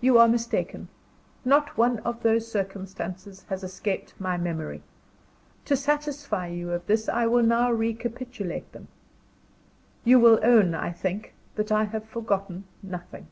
You are mistaken: not one of those circumstances has escaped my memory. To satisfy you of this, I will now recapitulate them. You will own, I think, that I have forgotten nothing.